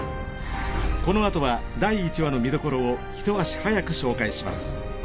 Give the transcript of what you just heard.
このあとは第１話の見どころを一足早く紹介します。